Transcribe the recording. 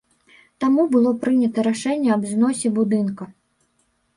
Таму было прынята рашэнне аб зносе будынка.